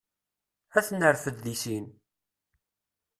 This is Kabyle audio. Ad t-nerfed deg sin.